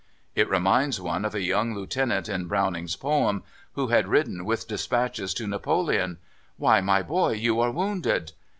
It reminds one of a young Lieutenant in Browning's poem, who had ridden with dispatches to Napoleon. "Why, my boy, you are wounded!"